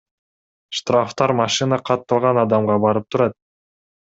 Штрафтар машина катталган адамга барып турат.